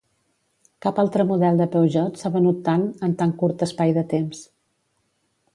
Cap altre model de Peugeot s'ha venut tant en tan curt espai de temps.